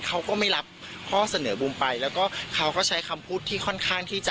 เขาก็ไม่รับข้อเสนอบูมไปแล้วก็เขาก็ใช้คำพูดที่ค่อนข้างที่จะ